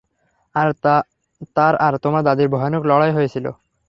তার আর তোমার দাদীর ভয়ানক লড়াই হয়েছিল।